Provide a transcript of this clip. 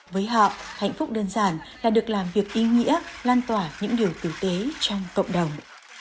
với họ hạnh phúc đơn giản là được làm việc ý nghĩa lan tỏa những điều tử tế trong cộng đồng